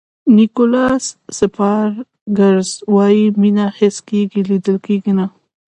نیکولاس سپارکز وایي مینه حس کېږي لیدل کېږي نه.